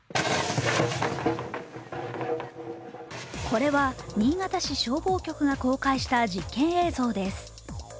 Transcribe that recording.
これは新潟市消防局が公開した実験映像です。